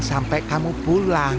sampai kamu pulang